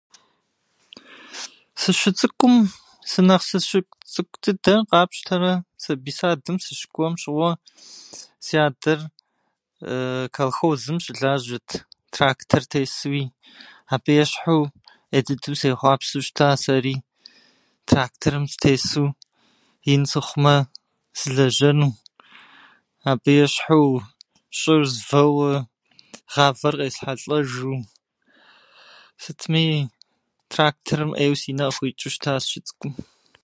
Сыщыцӏыкӏум, сынэхъ- сыщыцӏыкӏу дыдэм къапщтэмэ, сабий садым сыщыкӏуэм щыгъуэ, си адэр колхозым щылажьэт, трактор тесууи, абы ещхьу ӏей дыдэу сехъуапсэу щыта сэри тракторым сытесу ин сыхъумэ, сылэжьэну, абы ещхьу щӏыр звэуэ, гъавэр къесхьэлӏэжу. Сытми, тракторым ӏейуэ си нэр къыхуикӏыу щытащ сыщыцӏыкӏум.